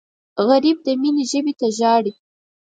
غریب د مینې ژبې ته ژاړي